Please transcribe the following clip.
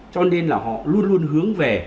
cho nên là họ luôn luôn hướng về